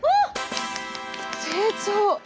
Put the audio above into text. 成長。